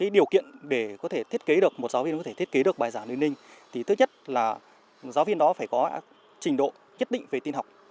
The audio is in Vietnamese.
điều kiện để có thể thiết kế được một giáo viên có thể thiết kế được bài giảng liên thì thứ nhất là giáo viên đó phải có trình độ nhất định về tin học